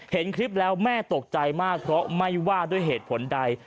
เห็นคลิปแล้วแม่ตกใจมากเพราะไม่ว่าด้วยเหตุผลใด